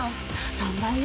３倍よ？